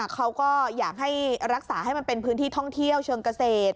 เขาก็อยากให้รักษาให้มันเป็นพื้นที่ท่องเที่ยวเชิงเกษตร